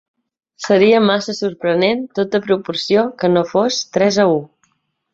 Seria massa sorprenent tota proporció que no fos tres a u.